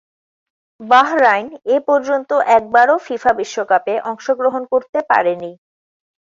Bahrain এপর্যন্ত একবারও FIFA বিশ্বকাপে অংশগ্রহণ করতে পারেনি।